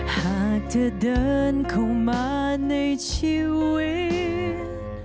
หากจะเดินเข้ามาในชีวิต